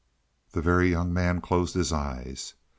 The Very Young Man closed his eyes.